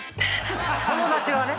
友達がね！